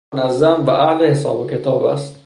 او منظم و اهل حساب و کتاب است.